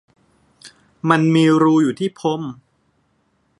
มันมีรูอยู่ที่พรม